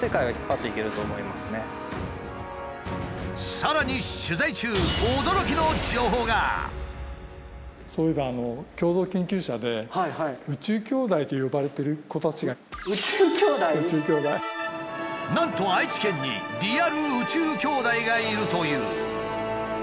さらに取材中なんと愛知県にリアル「宇宙兄弟」がいるという。